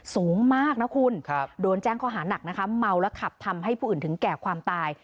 สูงมากนะคุณโดนแจ้งข้อหานักนะคะเมาและขับทำให้ผู้อื่นถึงแก่ความตาย